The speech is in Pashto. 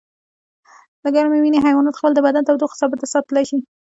د ګرمې وینې حیوانات خپل د بدن تودوخه ثابته ساتلی شي